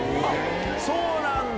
そうなんだ！